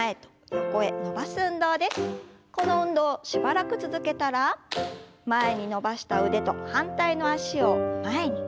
この運動しばらく続けたら前に伸ばした腕と反対の脚を前に。